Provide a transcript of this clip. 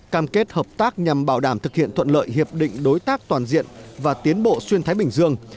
cam kết hợp tác nhằm bảo đảm thực hiện thuận lợi hiệp định đối tác toàn diện và tiến bộ xuyên thái bình dương